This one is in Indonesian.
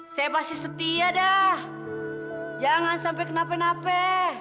saya pasti setia dah jangan sampai kenapa nape